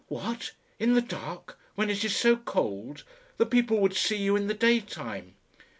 "What! in the dark, when it is so cold? The people would see you in the daytime."